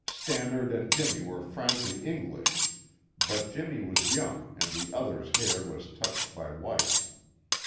Stannard and Jimmy were frankly English, but Jimmy was young and the other's hair was touched by white.